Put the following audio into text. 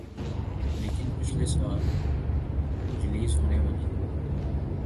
لیکن پچھلے سال ریلیز ہونے والی